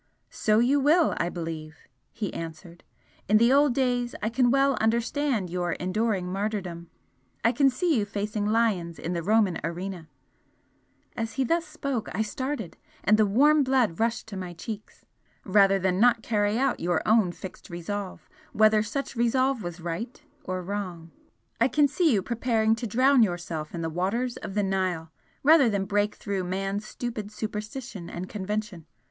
"So you will, I believe!" he answered "In the old days I can well understand your enduring martyrdom! I can see you facing lions in the Roman arena," as he thus spoke I started, and the warm blood rushed to my cheeks "rather than not carry out your own fixed resolve, whether such resolve was right or wrong! I can see you preparing to drown yourself in the waters of the Nile rather than break through man's stupid superstition and convention!